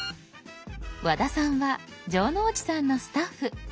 和田さんは城之内さんのスタッフ。